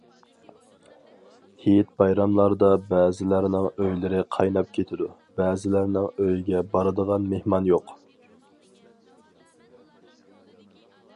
ھېيت- بايراملاردا بەزىلەرنىڭ ئۆيلىرى قايناپ كېتىدۇ، بەزىلەرنىڭ ئۆيىگە بارىدىغان مېھمان يوق.